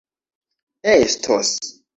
estos